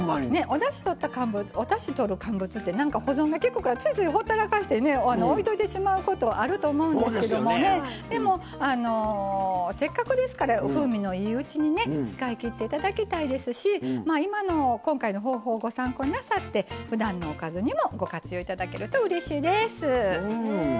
おだしとる乾物ってなんか保存がきくからついついほったらかしてね置いといてしまうことあると思うんですけどもねでもせっかくですから風味のいいうちにね使いきっていただきたいですし今回の方法をご参考になさってふだんのおかずにもご活用いただけるとうれしいです。